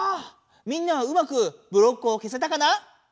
みんなはうまくブロックを消せたかな？